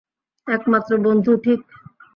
একমাত্র বন্ধু, ঠিক?